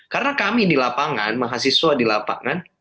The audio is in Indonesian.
karena kami di lapangan mahasiswa di lapangan